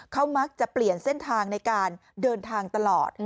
เขามักจะเปลี่ยนเส้นทางในการเดินทางตลอด